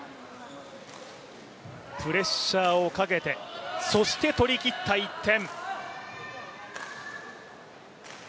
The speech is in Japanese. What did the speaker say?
プレッシャーをかけて、そして取り切った１点。